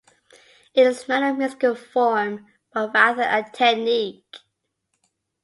It is not a musical form, but rather a technique.